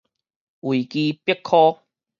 維基百科